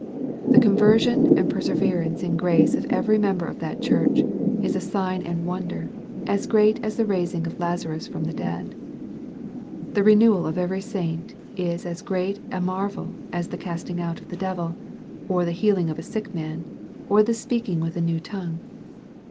The conversion and perseverance in grace of every member of that Church, is a sign and wonder, as great as the raising of Lazarus from the dead. The renewal of every saint is as great a marvel as the casting out of a devil, or the healing of a sick man, or the speaking with a new tongue.